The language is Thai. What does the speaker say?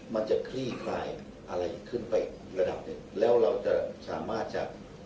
มันจะคลี่คลายอะไรขึ้นไประดับหนึ่งแล้วเราจะสามารถจะ